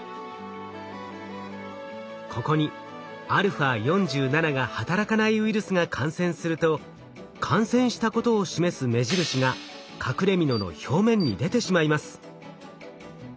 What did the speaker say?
ここにα４７が働かないウイルスが感染すると感染したことを示す目印が隠れみのの表面に出てしまいます。